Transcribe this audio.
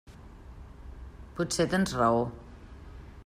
Potser tens raó.